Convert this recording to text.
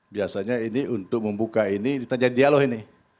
biasanya ini untuk membuka ini kita jadi dialog ini